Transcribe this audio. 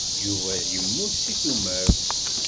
Yuba yemmut seg tumert.